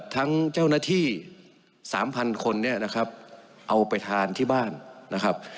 ทั้งเจ้าหน้าที่๓๐๐คนเนี่ยนะครับเอาไปทานที่บ้านนะครับ